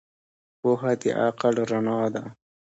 پوهه د عقل رڼا ده.